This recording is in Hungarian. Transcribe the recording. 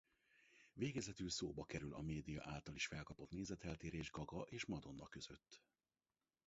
Végezetül szóba kerül a média által is felkapott nézeteltérés Gaga és Madonna között.